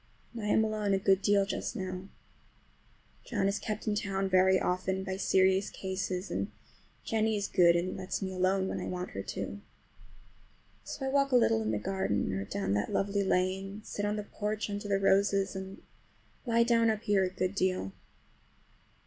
And I am alone a good deal just now. John is kept in town very often by serious cases, and Jennie is good and lets me alone when I want her to. So I walk a little in the garden or down that lovely lane, sit on the porch under the roses, and lie down up here a good deal.